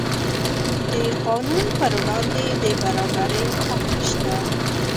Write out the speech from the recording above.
د قانون پر وړاندې د برابرۍ حق شته.